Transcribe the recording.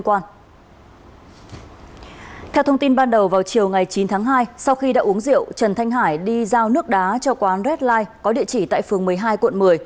khi đã uống rượu trần thanh hải đi giao nước đá cho quán red light có địa chỉ tại phường một mươi hai quận một mươi